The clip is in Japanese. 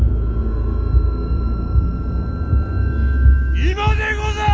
今でござる！